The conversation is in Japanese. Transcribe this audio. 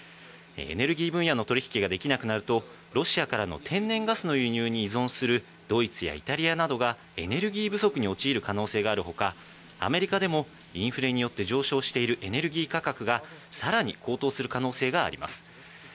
エネルギー分野の取引ができなくなると、ロシアからの天然ガスの輸入に依存するドイツやイタリアなどがエネルギー不足に陥る可能性があるほか、アメリカでもインフレによって上昇しているエネルギー価格がさらに高騰する可能性があります。